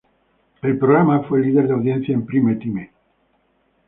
El programa fue líder de audiencia en prime-time.